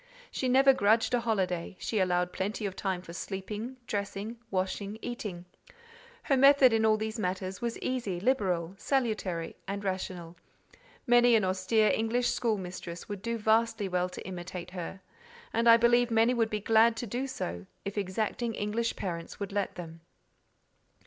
She never grudged a holiday; she allowed plenty of time for sleeping, dressing, washing, eating; her method in all these matters was easy, liberal, salutary, and rational: many an austere English school mistress would do vastly well to imitate her—and I believe many would be glad to do so, if exacting English parents would let them.